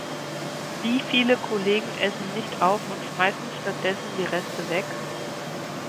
Wie viele Kollegen essen nicht auf und schmeißen stattdessen die Reste weg?